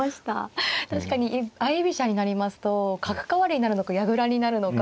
確かに相居飛車になりますと角換わりになるのか矢倉になるのか